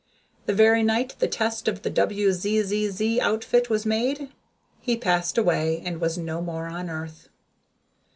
The very night the test of the WZZZ outfit was made he passed away and was no more on earth.